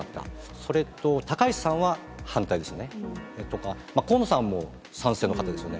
それと高市さんは反対ですね。とか、河野さんも賛成の方ですよね。